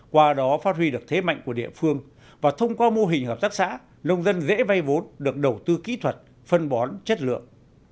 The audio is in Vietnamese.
qua đó phát huy được thế mạnh của địa phương và thông qua mô hình hợp tác xã nông dân dễ vay vốn được đầu tư kỹ thuật phân bón chất lượng